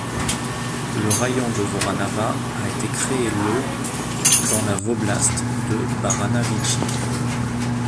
Le raïon de Voranava a été créé le dans la voblast de Baranavitchy.